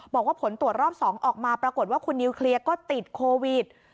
บอกว่าผลตรวจรอบ๒ออกมาปรากฏว่าคุณนิวเคลียร์ก็ติดโควิด